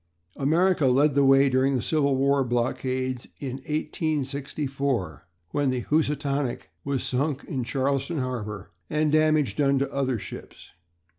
America led the way during the Civil War blockades in 1864, when the Housatonic was sunk in Charleston harbour, and damage done to other ships.